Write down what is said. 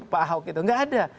pak ahok itu nggak ada